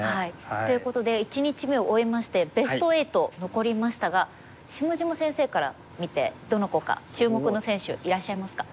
っていうことで１日目を終えましてベスト８残りましたが下島先生から見てどの子か注目の選手いらっしゃいますか？